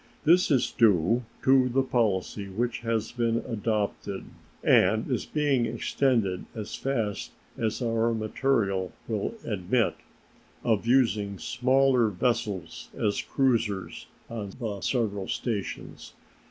This is due to the policy which has been adopted, and is being extended as fast as our material will admit, of using smaller vessels as cruisers on the several stations.